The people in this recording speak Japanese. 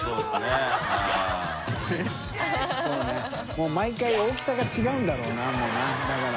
もう毎回大きさが違うんだろうなもうなだから。